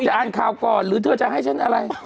อ่านข่าวก่อนหรือเธอจะให้ฉันอะไร